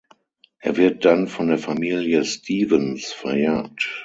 Er wird dann von der Familie Stevens verjagt.